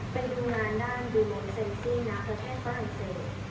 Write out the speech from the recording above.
ไปดูงานด้านยูเนซี่นะประเทศฝรั่งเศส